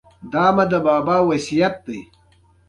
په افغانستان کې یاقوت د خلکو د اعتقاداتو سره تړاو لري.